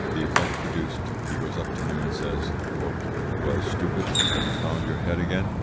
The effect produced, he goes up to him and says, "Well, stupid, have you found your head again?"